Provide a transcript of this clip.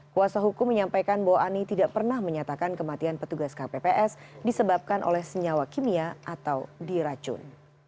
kuasa hukum menyampaikan bahwa ani tidak pernah menyatakan kematian petugas kpps disebabkan oleh senyawa kimia atau diracun